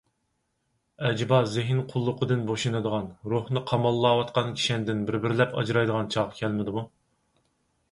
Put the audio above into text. ئەجىبا زېھىن قۇللۇقىدىن بوشىنىدىغان، روھنى قاماللاۋاتقان كىشەندىن بىر بىرلەپ ئاجرايدىغان چاغ كەلمىدىمۇ؟